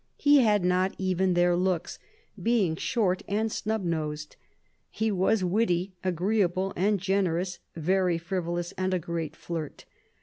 He had not even their looks, being short and snub nosed. He was witty, agreeable and generous, very frivolous and a great flirt.